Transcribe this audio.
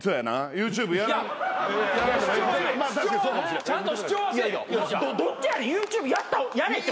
ＹｏｕＴｕｂｅやれってこと？